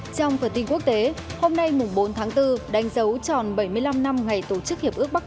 trong phần tin quốc tế hôm nay bốn tháng bốn đánh dấu tròn bảy mươi năm năm ngày tổ chức hiệp ước bắc